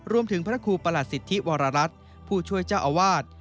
พระครูประหลัดสิทธิวรรัฐผู้ช่วยเจ้าอาวาส